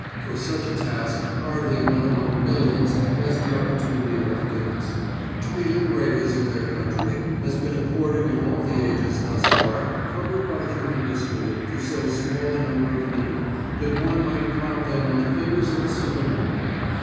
For such a task hardly one among millions has the opportunity or the gifts. To be liberators of their country has been accorded in all the ages thus far covered by human history to so small a number of men that one might count them on the fingers of a single hand.